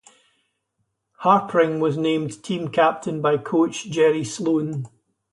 Harpring was named team captain by coach Jerry Sloan.